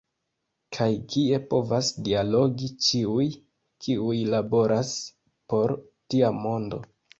Kaj kie povas dialogi ĉiuj, kiuj laboras por tia mondo.